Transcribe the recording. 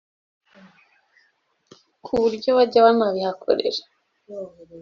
ku buryo bajya banabihakorera